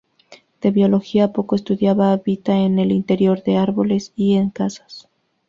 De biología poco estudiada, habita en el interior de árboles y en casas.